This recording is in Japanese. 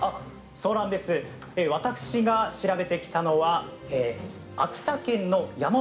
私が調べてきたのは秋田県の山奥